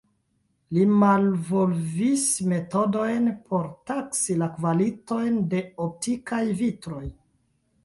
Li malvolvis metodojn por taksi la kvalitojn de optikaj vitroj.